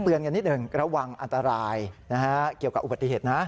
กันนิดหนึ่งระวังอันตรายนะฮะเกี่ยวกับอุบัติเหตุนะ